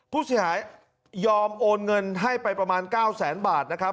ผู้เสียหายยอมโอนเงินให้ไปประมาณ๙แสนบาทนะครับ